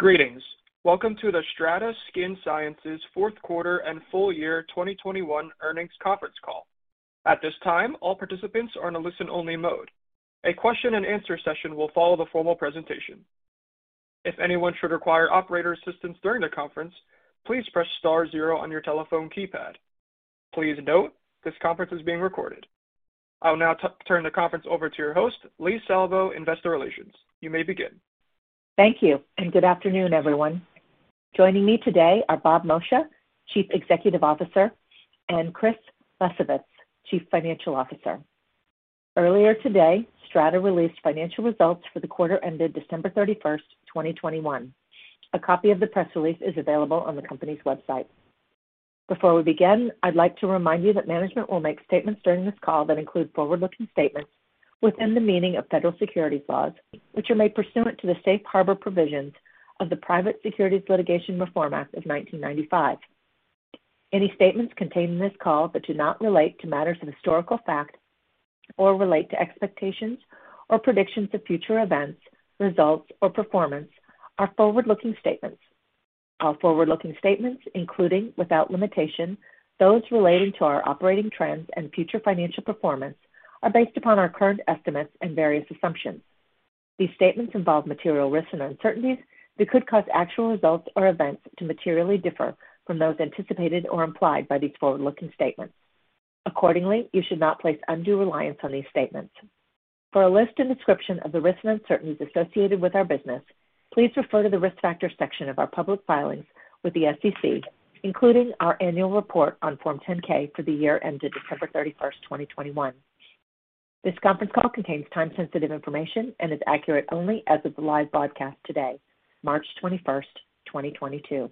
Greetings. Welcome to the STRATA Skin Sciences Fourth Quarter and Full Year 2021 Earnings Conference Call. At this time, all participants are in a listen-only mode. A Q&A session will follow the formal presentation. If anyone should require operator assistance during the conference, please press star zero on your telephone keypad. Please note, this conference is being recorded. I'll now turn the conference over to your host, Leigh Salvo, Investor Relations. You may begin. Thank you, and good afternoon, everyone. Joining me today are Bob Moccia, Chief Executive Officer, and Chris Lesovitz, Chief Financial Officer. Earlier today, STRATA released financial results for the quarter ended December 31st, 2021. A copy of the press release is available on the company's website. Before we begin, I'd like to remind you that management will make statements during this call that include forward-looking statements within the meaning of federal securities laws, which are made pursuant to the safe harbor provisions of the Private Securities Litigation Reform Act of 1995. Any statements contained in this call that do not relate to matters of historical fact or relate to expectations or predictions of future events, results, or performance are forward-looking statements. All forward-looking statements, including, without limitation, those relating to our operating trends and future financial performance, are based upon our current estimates and various assumptions. These statements involve material risks and uncertainties that could cause actual results or events to materially differ from those anticipated or implied by these forward-looking statements. Accordingly, you should not place undue reliance on these statements. For a list and description of the risks and uncertainties associated with our business, please refer to the Risk Factors section of our public filings with the SEC, including our annual report on Form 10-K for the year ended December 31st, 2021. This conference call contains time-sensitive information and is accurate only as of the live broadcast today, March 21st, 2022.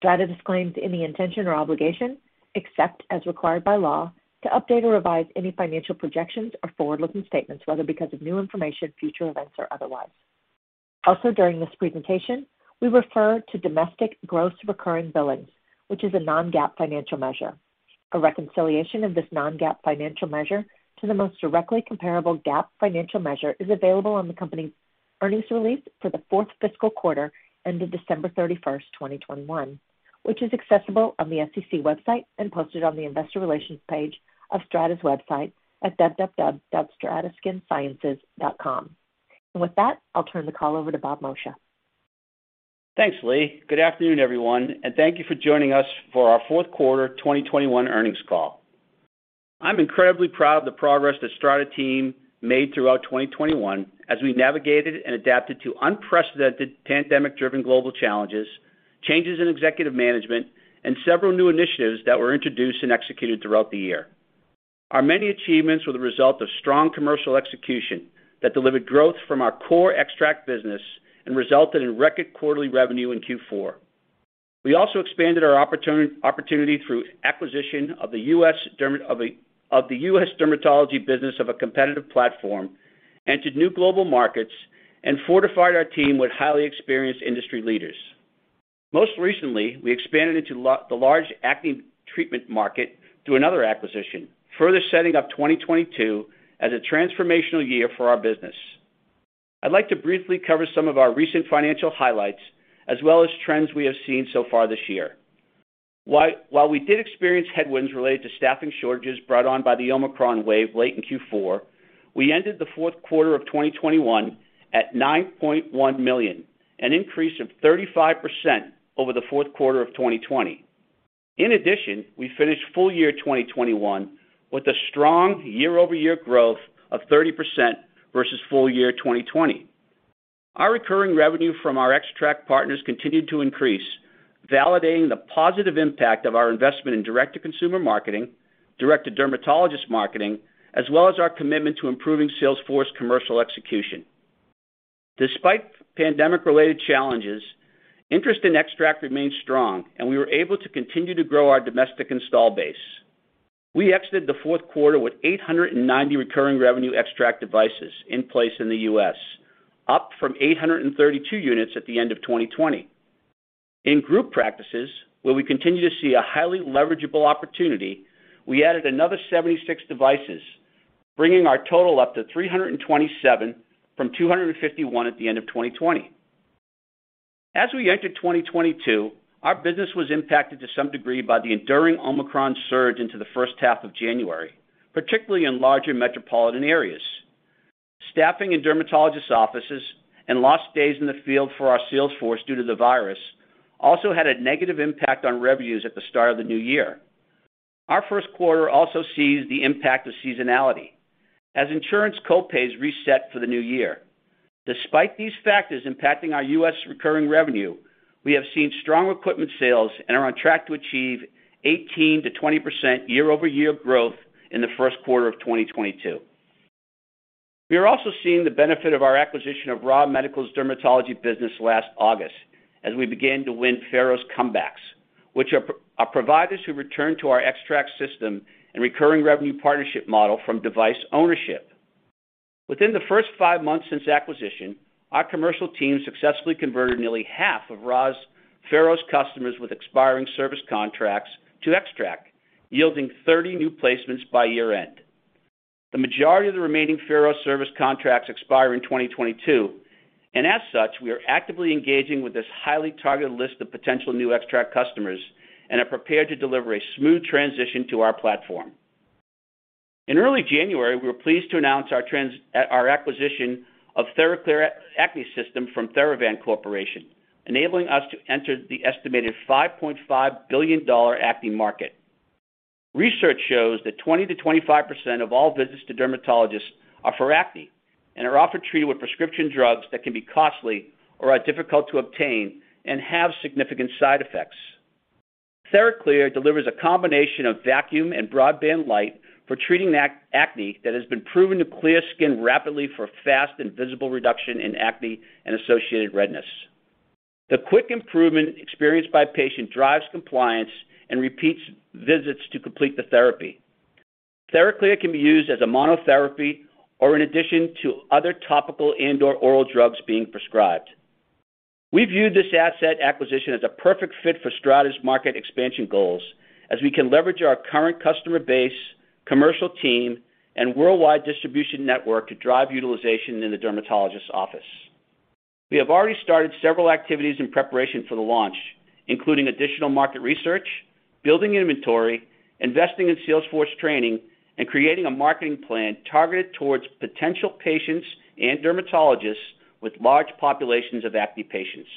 STRATA disclaims any intention or obligation, except as required by law, to update or revise any financial projections or forward-looking statements, whether because of new information, future events, or otherwise. Also, during this presentation, we refer to domestic gross recurring billings, which is a non-GAAP financial measure. A reconciliation of this non-GAAP financial measure to the most directly comparable GAAP financial measure is available on the company's earnings release for the fourth fiscal quarter ended December 31st, 2021, which is accessible on the SEC website and posted on the Investor Relations page of STRATA's website at www.strataskinsciences.com. With that, I'll turn the call over to Bob Moccia. Thanks, Leigh. Good afternoon, everyone, and thank you for joining us for our Fourth Quarter 2021 Earnings Call. I'm incredibly proud of the progress the STRATA team made throughout 2021 as we navigated and adapted to unprecedented pandemic-driven global challenges, changes in Executive Management, and several new initiatives that were introduced and executed throughout the year. Our many achievements were the result of strong commercial execution that delivered growth from our core XTRAC business and resulted in record quarterly revenue in Q4. We also expanded our opportunity through acquisition of the U.S. dermatology business of a competitive platform, entered new global markets, and fortified our team with highly experienced industry leaders. Most recently, we expanded into the large acne treatment market through another acquisition, further setting up 2022 as a transformational year for our business. I'd like to briefly cover some of our recent financial highlights as well as trends we have seen so far this year. While we did experience headwinds related to staffing shortages brought on by the Omicron wave late in Q4, we ended the fourth quarter of 2021 at $9.1 million, an increase of 35% over the fourth quarter of 2020. In addition, we finished full year 2021 with a strong year-over-year growth of 30% versus full year 2020. Our recurring revenue from our XTRAC partners continued to increase, validating the positive impact of our investment in direct-to-consumer marketing, direct-to-dermatologist marketing, as well as our commitment to improving sales force commercial execution. Despite pandemic-related challenges, interest in XTRAC remains strong, and we were able to continue to grow our domestic installed base. We exited the fourth quarter with 890 recurring revenue XTRAC devices in place in the U.S., up from 832 units at the end of 2020. In group practices, where we continue to see a highly leverageable opportunity, we added another 76 devices, bringing our total up to 327 from 251 at the end of 2020. As we entered 2022, our business was impacted to some degree by the enduring Omicron surge into the first half of January, particularly in larger metropolitan areas. Staffing in dermatologists' offices and lost days in the field for our sales force due to the virus also had a negative impact on revenues at the start of the new year. Our first quarter also sees the impact of seasonality as insurance co-pays reset for the new year. Despite these factors impacting our U.S. recurring revenue, we have seen strong equipment sales and are on track to achieve 18%-20% year-over-year growth in the first quarter of 2022. We are also seeing the benefit of our acquisition of Ra Medical's dermatology business last August as we began to win Pharos comebacks, which are providers who return to our XTRAC system and recurring revenue partnership model from device ownership. Within the first five months since acquisition, our commercial team successfully converted nearly half of Ra's Pharos customers with expiring service contracts to XTRAC, yielding 30 new placements by year-end. The majority of the remaining Pharos service contracts expire in 2022, and as such, we are actively engaging with this highly targeted list of potential new XTRAC customers and are prepared to deliver a smooth transition to our platform. In early January, we were pleased to announce our acquisition of TheraClear Acne System from Theravant Corporation, enabling us to enter the estimated $5.5 billion acne market. Research shows that 20%-25% of all visits to dermatologists are for acne and are often treated with prescription drugs that can be costly or are difficult to obtain and have significant side effects. TheraClear delivers a combination of vacuum and broadband light for treating acne that has been proven to clear skin rapidly for fast and visible reduction in acne and associated redness. The quick improvement experienced by patient drives compliance and repeats visits to complete the therapy. TheraClear can be used as a monotherapy or in addition to other topical and/or oral drugs being prescribed. We view this asset acquisition as a perfect fit for STRATA's market expansion goals, as we can leverage our current customer base, commercial team, and worldwide distribution network to drive utilization in the dermatologist office. We have already started several activities in preparation for the launch, including additional market research, building inventory, investing in sales force training, and creating a marketing plan targeted towards potential patients and dermatologists with large populations of acne patients.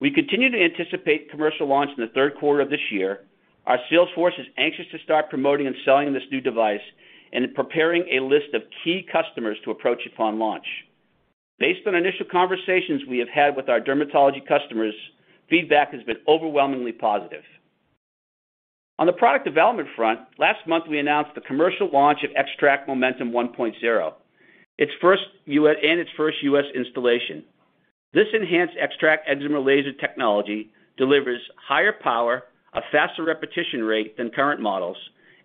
We continue to anticipate commercial launch in the third quarter of this year. Our sales force is anxious to start promoting and selling this new device and preparing a list of key customers to approach upon launch. Based on initial conversations we have had with our dermatology customers, feedback has been overwhelmingly positive. On the product development front, last month, we announced the commercial launch of XTRAC Momentum 1.0, its First U.S. Installation. This enhanced XTRAC eczema laser technology delivers higher power, a faster repetition rate than current models,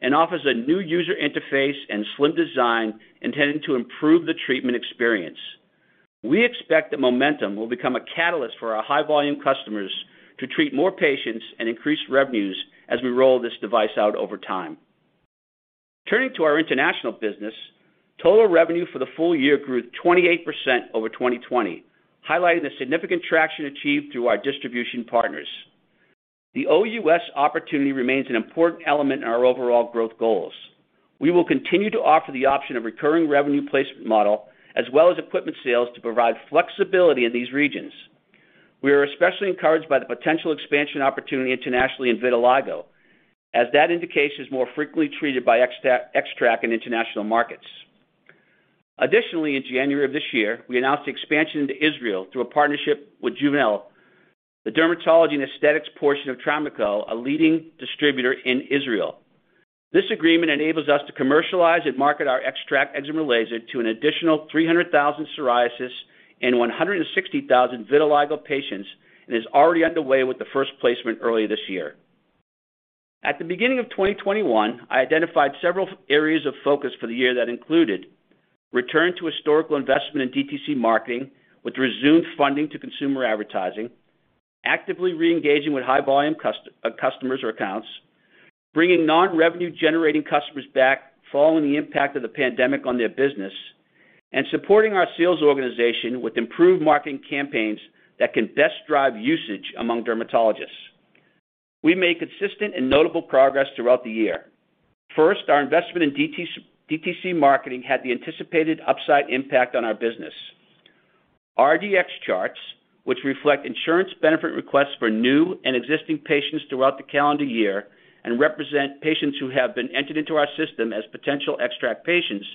and offers a new user interface and slim design intended to improve the treatment experience. We expect that Momentum will become a catalyst for our high-volume customers to treat more patients and increase revenues as we roll this device out over time. Turning to our international business, total revenue for the full year grew 28% over 2020, highlighting the significant traction achieved through our distribution partners. The OUS opportunity remains an important element in our overall growth goals. We will continue to offer the option of recurring revenue placement model as well as equipment sales to provide flexibility in these regions. We are especially encouraged by the potential expansion opportunity internationally in vitiligo, as that indication is more frequently treated by XTRAC in international markets. Additionally, in January of this year, we announced expansion into Israel through a partnership with JuvenIL, the dermatology and aesthetics portion of Trimaco, a leading distributor in Israel. This agreement enables us to commercialize and market our XTRAC eczema laser to an additional 300,000 psoriasis and 160,000 vitiligo patients and is already underway with the first placement early this year. At the beginning of 2021, I identified several areas of focus for the year that included return to historical investment in DTC marketing with resumed funding to consumer advertising, actively re-engaging with high-volume customers or accounts, bringing non-revenue generating customers back following the impact of the pandemic on their business, and supporting our sales organization with improved marketing campaigns that can best drive usage among dermatologists. We made consistent and notable progress throughout the year. First, our investment in DTC marketing had the anticipated upside impact on our business. RDX charts, which reflect insurance benefit requests for new and existing patients throughout the calendar year and represent patients who have been entered into our system as potential XTRAC patients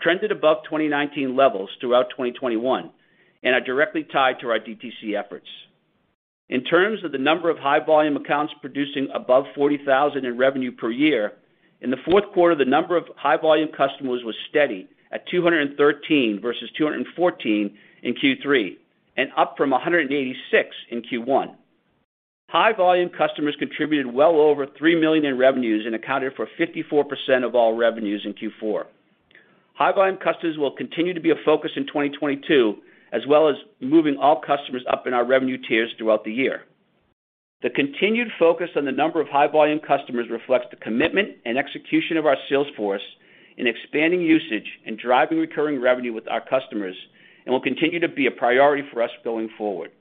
trended above 2019 levels throughout 2021 and are directly tied to our DTC efforts. In terms of the number of high-volume accounts producing above $40,000 in revenue per year, in the fourth quarter, the number of high-volume customers was steady at 213 versus 214 in Q3, and up from 186 in Q1. High-volume customers contributed well over $3 million in revenues and accounted for 54% of all revenues in Q4. High-volume customers will continue to be a focus in 2022, as well as moving all customers up in our revenue tiers throughout the year. The continued focus on the number of high-volume customers reflects the commitment and execution of our sales force in expanding usage and driving recurring revenue with our customers and will continue to be a priority for us going forward.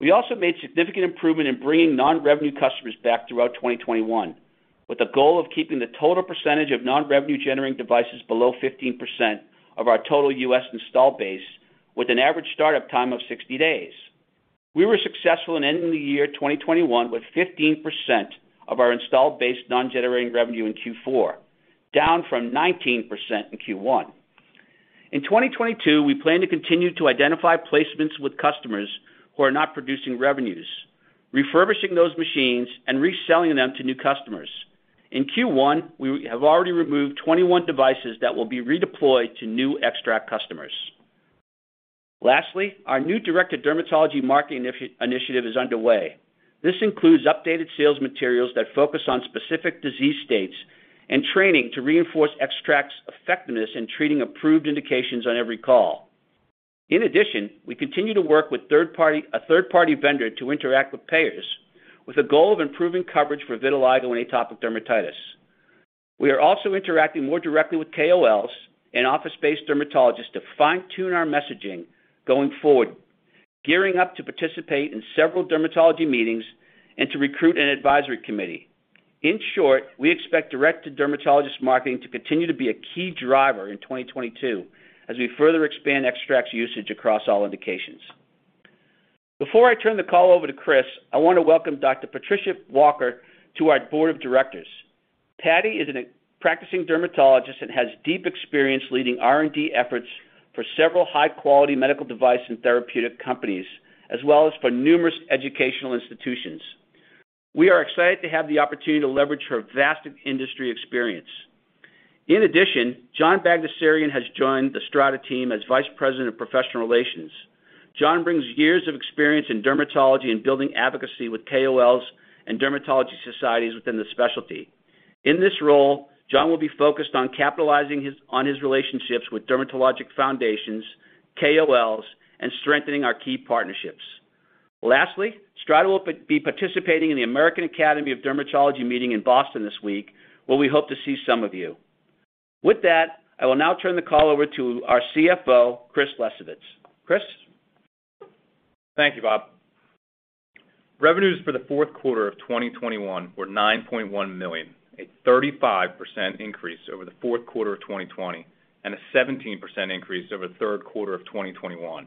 We also made significant improvement in bringing non-revenue customers back throughout 2021, with the goal of keeping the total percentage of non-revenue generating devices below 15% of our total U.S. installed base with an average startup time of 60 days. We were successful in ending the year 2021 with 15% of our installed base non-generating revenue in Q4, down from 19% in Q1. In 2022, we plan to continue to identify placements with customers who are not producing revenues, refurbishing those machines, and reselling them to new customers. In Q1, we have already removed 21 devices that will be redeployed to new XTRAC customers. Lastly, our new director dermatology marketing initiative is underway. This includes updated sales materials that focus on specific disease states and training to reinforce XTRAC's effectiveness in treating approved indications on every call. In addition, we continue to work with a third-party vendor to interact with payers with a goal of improving coverage for vitiligo and atopic dermatitis. We are also interacting more directly with KOLs and office-based dermatologists to fine-tune our messaging going forward, gearing up to participate in several dermatology meetings and to recruit an advisory committee. In short, we expect direct-to-dermatologist marketing to continue to be a key driver in 2022 as we further expand XTRAC's usage across all indications. Before I turn the call over to Chris, I want to welcome Dr. Patricia Walker to our Board of Directors. Patty is a practicing dermatologist and has deep experience leading R&D efforts for several high-quality medical device and therapeutic companies, as well as for numerous educational institutions. We are excited to have the opportunity to leverage her vast industry experience. In addition, John Bagdasarian has joined the Strata team as Vice President of Professional Relations. John brings years of experience in dermatology and building advocacy with KOLs and dermatology societies within the specialty. In this role, John will be focused on capitalizing on his relationships with dermatologic foundations, KOLs, and strengthening our key partnerships. Lastly, Strata will be participating in the American Academy of Dermatology meeting in Boston this week, where we hope to see some of you. With that, I will now turn the call over to our CFO, Chris Lesovitz. Chris? Thank you, Bob. Revenues for the fourth quarter of 2021 were $9.1 million, a 35% increase over the fourth quarter of 2020, and a 17% increase over the third quarter of 2021.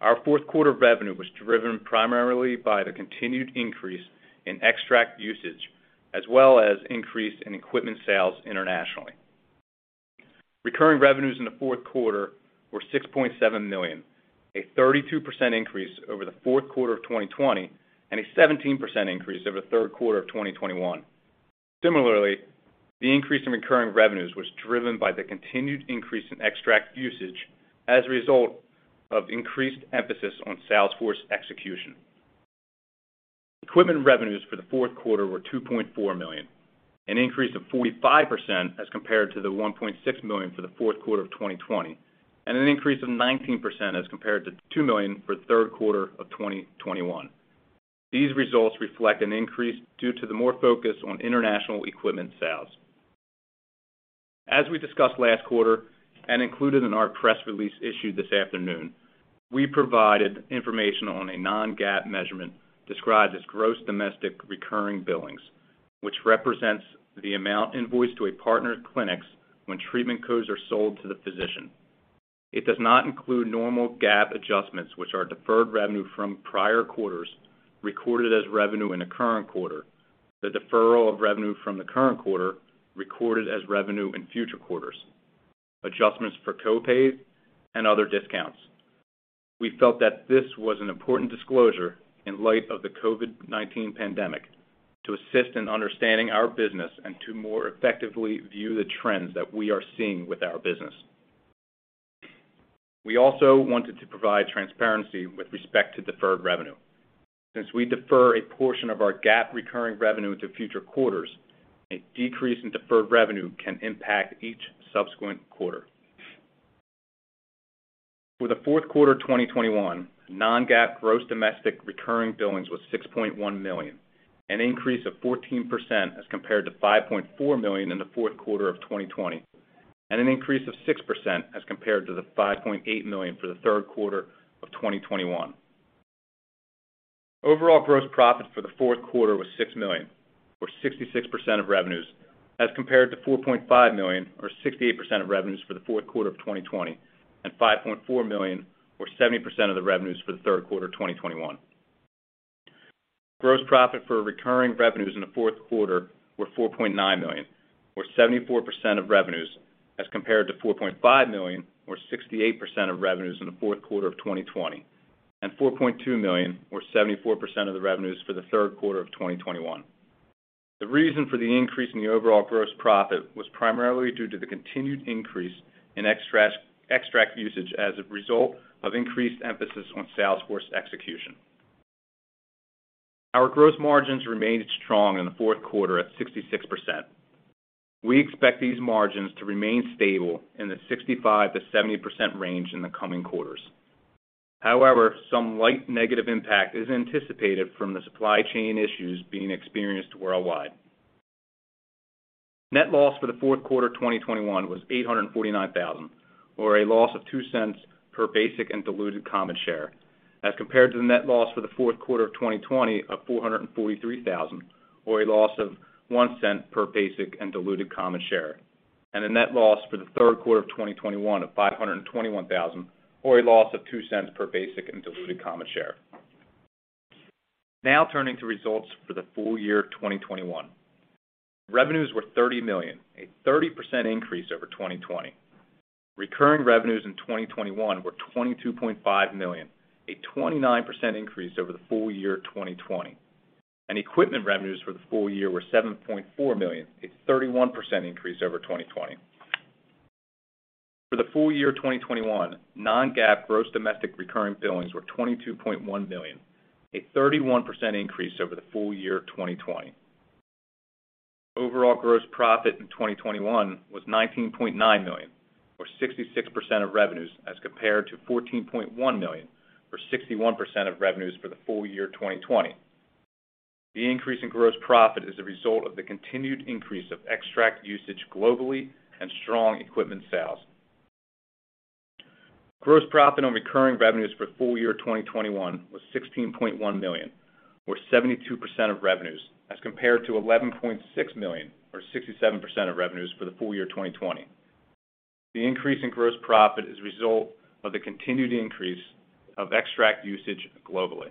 Our fourth quarter revenue was driven primarily by the continued increase in XTRAC usage as well as increase in equipment sales internationally. Recurring revenues in the fourth quarter were $6.7 million, a 32% increase over the fourth quarter of 2020, and a 17% increase over the third quarter of 2021. Similarly, the increase in recurring revenues was driven by the continued increase in XTRAC usage as a result of increased emphasis on sales force execution. Equipment revenues for the fourth quarter were $2.4 million, an increase of 45% as compared to the $1.6 million for the fourth quarter of 2020, and an increase of 19% as compared to $2 million for the third quarter of 2021. These results reflect an increase due to the more focus on international equipment sales. As we discussed last quarter, and included in our press release issued this afternoon, we provided information on a non-GAAP measurement described as gross domestic recurring billings, which represents the amount invoiced to a partner clinics when treatment codes are sold to the physician. It does not include normal GAAP adjustments which are deferred revenue from prior quarters recorded as revenue in the current quarter, the deferral of revenue from the current quarter recorded as revenue in future quarters, adjustments for co-pays and other discounts. We felt that this was an important disclosure in light of the COVID-19 pandemic to assist in understanding our business and to more effectively view the trends that we are seeing with our business. We also wanted to provide transparency with respect to deferred revenue. Since we defer a portion of our GAAP recurring revenue to future quarters, a decrease in deferred revenue can impact each subsequent quarter. For the fourth quarter 2021, non-GAAP gross domestic recurring billings was $6.1 million, an increase of 14% as compared to $5.4 million in the fourth quarter of 2020, and an increase of 6% as compared to the $5.8 million for the third quarter of 2021. Overall gross profit for the fourth quarter was $6 million, or 66% of revenues, as compared to $4.5 million, or 68% of revenues for the fourth quarter of 2020, and $5.4 million, or 70% of the revenues for the third quarter of 2021. Gross profit for recurring revenues in the fourth quarter were $4.9 million or 74% of revenues as compared to $4.5 million or 68% of revenues in the fourth quarter of 2020, and $4.2 million or 74% of the revenues for the third quarter of 2021. The reason for the increase in the overall gross profit was primarily due to the continued increase in XTRAC usage as a result of increased emphasis on sales force execution. Our gross margins remained strong in the fourth quarter at 66%. We expect these margins to remain stable in the 65%-70% range in the coming quarters. However, some light negative impact is anticipated from the supply chain issues being experienced worldwide. Net loss for the fourth quarter 2021 was $849,000, or a loss of $0.02 per basic and diluted common share, as compared to the net loss for the fourth quarter of 2020 of $443,000, or a loss of $0.01 per basic and diluted common share, and a net loss for the third quarter of 2021 of $521,000, or a loss of $0.02 per basic and diluted common share. Now, turning to results for the full year 2021. Revenues were $30 million, a 30% increase over 2020. Recurring revenues in 2021 were $22.5 million, a 29% increase over the full year 2020. Equipment revenues for the full year were $7.4 million, a 31% increase over 2020. For the full year 2021, non-GAAP gross domestic recurring billings were $22.1 million, a 31% increase over the full year 2020. Overall gross profit in 2021 was $19.9 million, or 66% of revenues, as compared to $14.1 million, or 61% of revenues for the full year 2020. The increase in gross profit is a result of the continued increase of XTRAC usage globally and strong equipment sales. Gross profit on recurring revenues for full year 2021 was $16.1 million or 72% of revenues, as compared to $11.6 million or 67% of revenues for the full year 2020. The increase in gross profit is a result of the continued increase of XTRAC usage globally.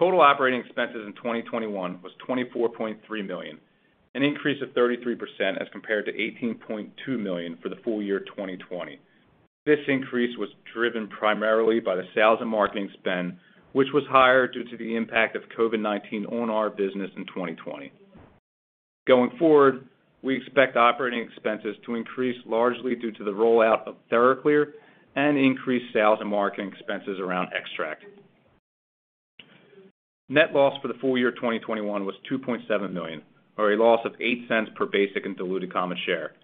Total operating expenses in 2021 was $24.3 million, an increase of 33% as compared to $18.2 million for the full year 2020. This increase was driven primarily by the sales and marketing spend, which was higher due to the impact of COVID-19 on our business in 2020. Going forward, we expect operating expenses to increase largely due to the rollout of TheraClear and increased sales and marketing expenses around XTRAC. Net loss for the full year 2021 was $2.7 million or a loss of $0.08 per basic and diluted common share,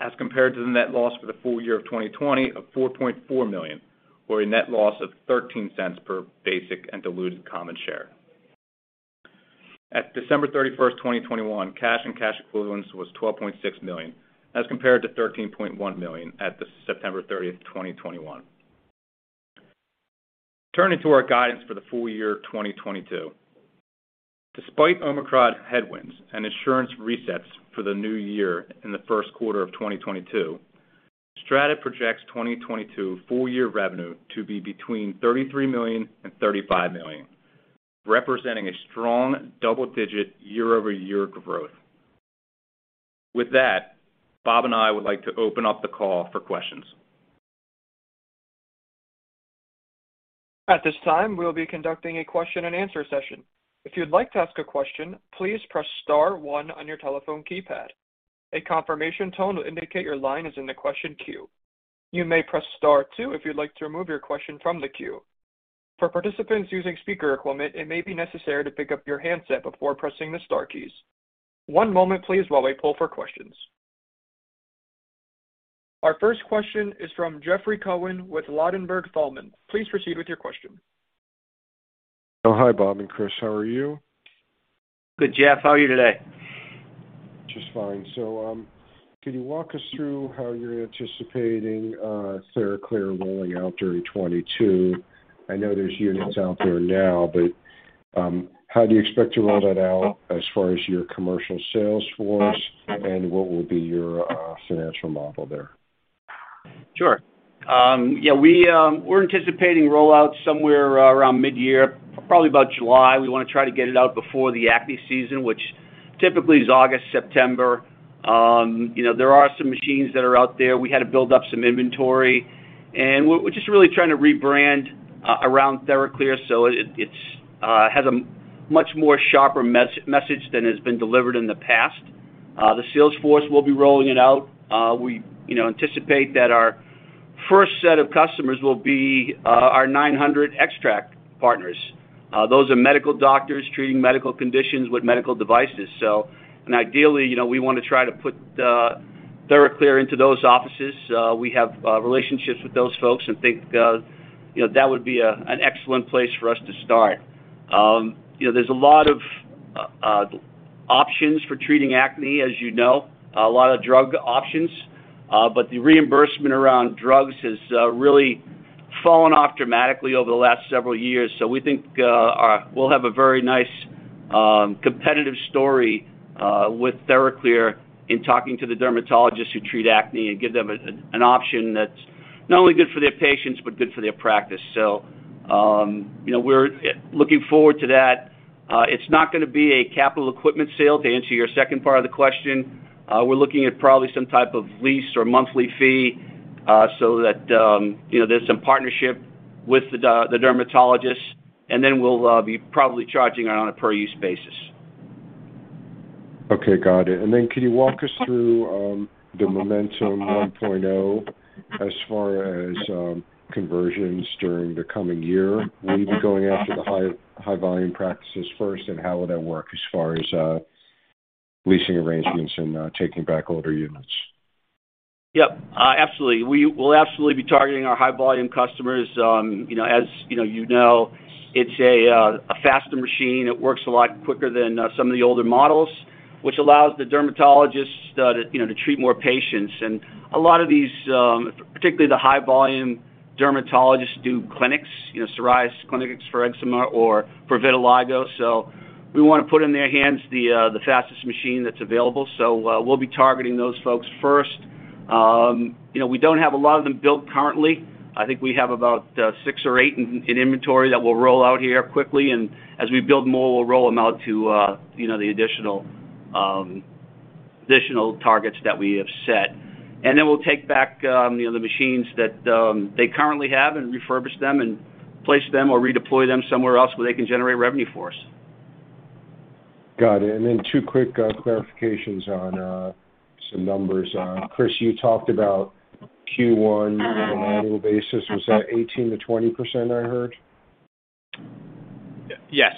as compared to the net loss for the full year of 2020 of $4.4 million, or a net loss of $0.13 per basic and diluted common share. At December 31st, 2021, cash and cash equivalents was $12.6 million, as compared to $13.1 million at the September 30th, 2021. Turning to our guidance for the full year 2022. Despite Omicron headwinds and insurance resets for the new year in the first quarter of 2022, Strata projects 2022 full year revenue to be between $33 million and $35 million, representing a strong double-digit year-over-year growth. With that, Bob and I would like to open up the call for questions. At this time, we'll be conducting a Q&A session. If you'd like to ask a question, please press star one on your telephone keypad. A confirmation tone will indicate your line is in the question queue. You may press star two if you'd like to remove your question from the queue. For participants using speaker equipment, it may be necessary to pick up your handset before pressing the star keys. One moment please while we poll for questions. Our first question is from Jeffrey Cohen with Ladenburg Thalmann. Please proceed with your question. Oh, hi, Bob and Chris. How are you? Good, Jeff. How are you today? Just fine. Can you walk us through how you're anticipating TheraClear rolling out during 2022? I know there's units out there now, but how do you expect to roll that out as far as your commercial sales force, and what will be your financial model there? Sure. Yeah, we're anticipating rollout somewhere around mid-year, probably about July. We wanna try to get it out before the acne season, which typically is August, September. You know, there are some machines that are out there. We had to build up some inventory, and we're just really trying to rebrand around TheraClear, so it's has a much more sharper message than has been delivered in the past. The sales force will be rolling it out. We, you know, anticipate that our first set of customers will be our 900 XTRAC partners. Those are medical doctors treating medical conditions with medical devices. Ideally, you know, we wanna try to put the TheraClear into those offices. We have relationships with those folks and think, you know, that would be an excellent place for us to start. You know, there's a lot of options for treating acne, as you know, a lot of drug options. The reimbursement around drugs has really fallen off dramatically over the last several years. We think we'll have a very nice competitive story with TheraClear in talking to the dermatologists who treat acne and give them an option that's not only good for their patients, but good for their practice. You know, we're looking forward to that. It's not gonna be a capital equipment sale, to answer your second part of the question. We're looking at probably some type of lease or monthly fee, so that, you know, there's some partnership with the dermatologists, and then we'll be probably charging on a per-use basis. Okay, got it. Can you walk us through the Momentum 1.0 as far as conversions during the coming year? Will you be going after the high volume practices first, and how would that work as far as leasing arrangements and taking back older units? Yep. Absolutely. We will absolutely be targeting our high volume customers. You know, as you know, it's a faster machine. It works a lot quicker than some of the older models, which allows the dermatologists to treat more patients. A lot of these, particularly the high volume dermatologists do clinics, you know, psoriasis clinic or eczema or for vitiligo. We want to put in their hands the fastest machine that's available. We'll be targeting those folks first. You know, we don't have a lot of them built currently. I think we have about six or eight in inventory that we'll roll out here quickly, and as we build more, we'll roll them out to the additional targets that we have set. We'll take back, you know, the machines that they currently have and refurbish them and place them or redeploy them somewhere else where they can generate revenue for us. Got it. Two quick clarifications on some numbers. Chris, you talked about Q1 on an annual basis. Was that 18%-20% I heard? Yes.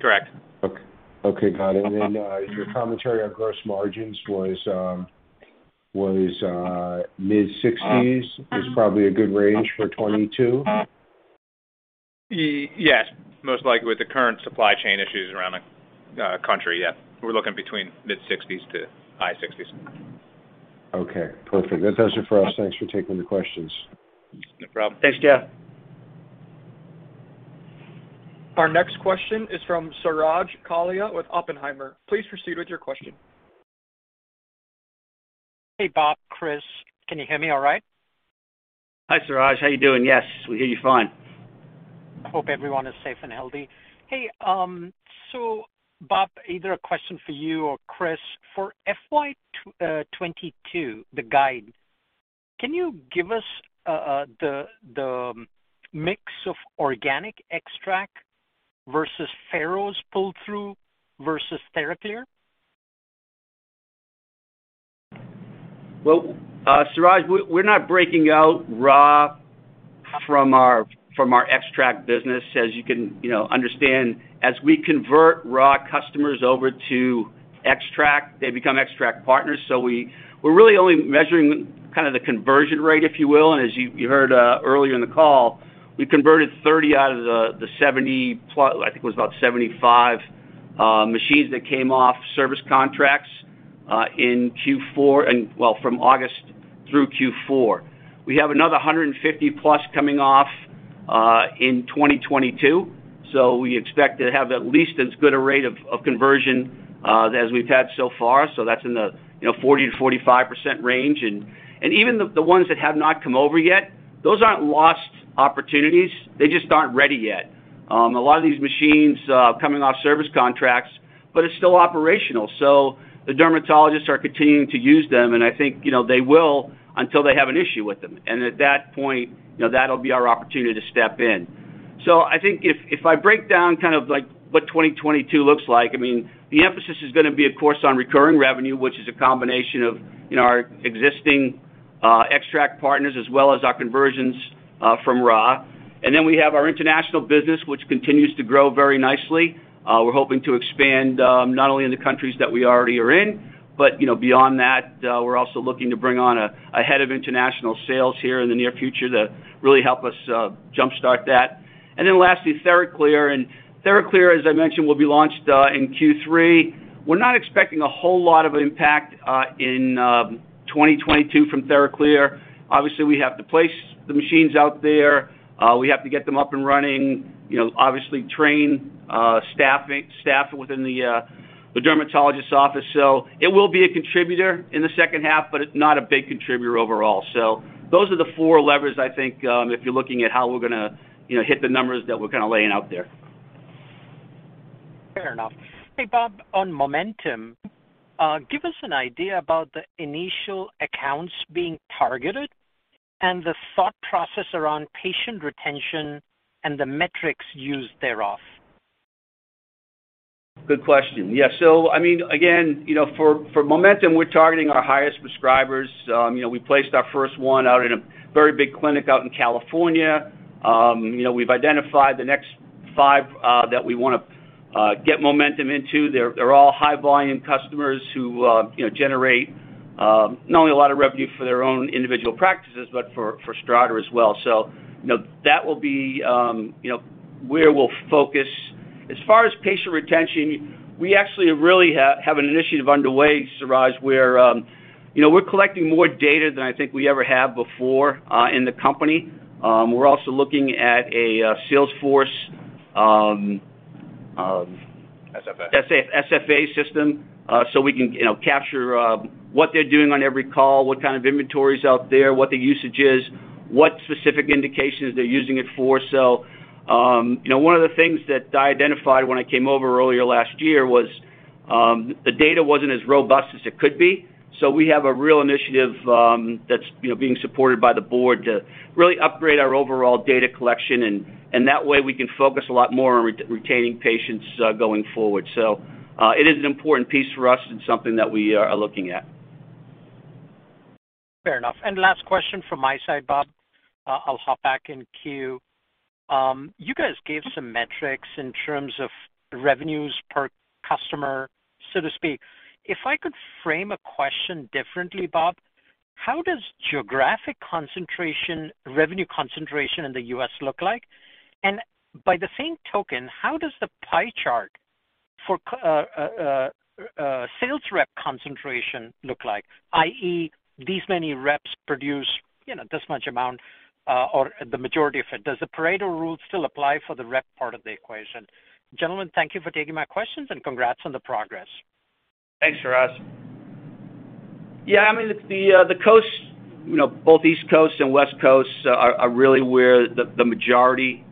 Correct. Okay, got it. Your commentary on gross margins was mid-60s% is probably a good range for 2022? Yes, most likely with the current supply chain issues around the country, yeah. We're looking between mid-60s to high 60s. Okay, perfect. That's all for us. Thanks for taking the questions. No problem. Thanks, Jeff. Our next question is from Suraj Kalia with Oppenheimer. Please proceed with your question. Hey, Bob, Chris, can you hear me all right? Hi, Suraj. How you doing? Yes, we hear you fine. I hope everyone is safe and healthy. Hey, Bob, I have a question for either you or Chris. For FY 2022, the guidance, can you give us the mix of organic XTRAC versus Pharos pull-through versus TheraClear? Well, Suraj, we're not breaking out Ra from our XTRAC business. As you can understand, you know, as we convert Ra customers over to XTRAC, they become XTRAC partners. So we're really only measuring kind of the conversion rate, if you will. And as you heard earlier in the call, we converted 30 out of the 70-plus, I think it was about 75, machines that came off service contracts in Q4 and from August through Q4. We have another 150-plus coming off in 2022, so we expect to have at least as good a rate of conversion as we've had so far. That's in the 40%-45% range. Even the ones that have not come over yet, those aren't lost opportunities, they just aren't ready yet. A lot of these machines are coming off service contracts, but it's still operational. The dermatologists are continuing to use them, and I think, you know, they will until they have an issue with them. At that point, you know, that'll be our opportunity to step in. I think if I break down kind of like what 2022 looks like, I mean, the emphasis is gonna be, of course, on recurring revenue, which is a combination of, you know, our existing XTRAC partners, as well as our conversions from Ra. Then we have our international business, which continues to grow very nicely. We're hoping to expand, not only in the countries that we already are in, but you know, beyond that. We're also looking to bring on a head of international sales here in the near future to really help us jump-start that. Lastly, TheraClear. TheraClear, as I mentioned, will be launched in Q3. We're not expecting a whole lot of impact in 2022 from TheraClear. Obviously, we have to place the machines out there. We have to get them up and running, you know, obviously train staff within the dermatologist's office. It will be a contributor in the second half, but it's not a big contributor overall. Those are the four levers, I think, if you're looking at how we're gonna, you know, hit the numbers that we're kinda laying out there. Fair enough. Hey, Bob, on Momentum, give us an idea about the initial accounts being targeted and the thought process around patient retention and the metrics used thereof. Good question. Yeah. So I mean, again, you know, for Momentum, we're targeting our highest prescribers. You know, we placed our first one out in a very big clinic out in California. You know, we've identified the next five that we wanna get Momentum into. They're all high volume customers who you know generate not only a lot of revenue for their own individual practices, but for STRATA as well. So you know that will be where we'll focus. As far as patient retention, we actually really have an initiative underway, Suraj, where you know we're collecting more data than I think we ever have before in the company. We're also looking at a Salesforce. SFA. SFA system, so we can, you know, capture what they're doing on every call, what kind of inventory is out there, what the usage is, what specific indications they're using it for. You know, one of the things that I identified when I came over earlier last year was the data wasn't as robust as it could be. We have a real initiative that's, you know, being supported by the board to really upgrade our overall data collection, and that way, we can focus a lot more on retaining patients going forward. It is an important piece for us and something that we are looking at. Fair enough. Last question from my side, Bob, I'll hop back in queue. You guys gave some metrics in terms of revenues per customer, so to speak. If I could frame a question differently, Bob, how does geographic concentration, revenue concentration in the U.S. look like? By the same token, how does the pie chart for sales rep concentration look like? i.e., these many reps produce, you know, this much amount, or the majority of it. Does the Pareto rule still apply for the rep part of the equation? Gentlemen, thank you for taking my questions, and congrats on the progress. Thanks, Suraj. Yeah, I mean, it's the coast, you know, both East Coast and West Coast are really where the majority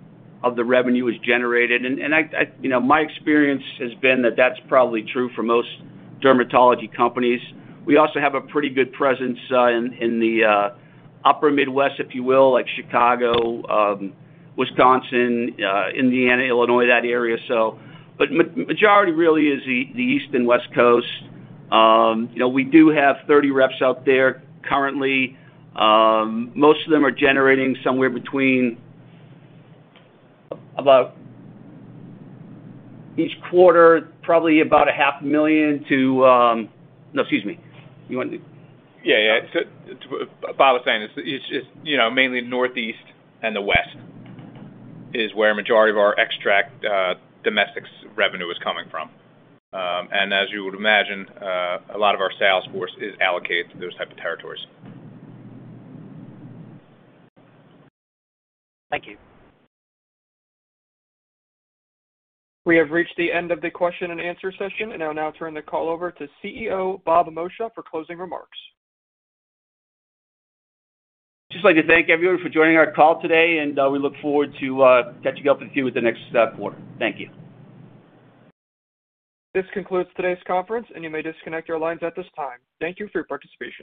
of the revenue is generated. You know, my experience has been that that's probably true for most dermatology companies. We also have a pretty good presence in the upper Midwest, if you will, like Chicago, Wisconsin, Indiana, Illinois, that area. But majority really is the East and West Coast. You know, we do have 30 reps out there currently. Most of them are generating somewhere between about each quarter, probably about a half million to. No, excuse me. You want to- Yeah, yeah. What Bob was saying is it's you know mainly the Northeast and the West is where a majority of our XTRAC domestic revenue is coming from. As you would imagine, a lot of our sales force is allocated to those type of territories. Thank you. We have reached the end of the Q&A session and I'll now turn the call over to CEO Bob Moccia for closing remarks. Just like to thank everyone for joining our call today, and we look forward to catching up with you at the next quarter. Thank you. This concludes today's conference, and you may disconnect your lines at this time. Thank you for your participation.